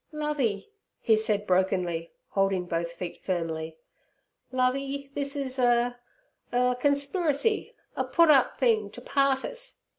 'Lovey' he said brokenly, holding both feet firmly, 'Lovey—this—is—a—er—conspriricy—a put up thing to part us!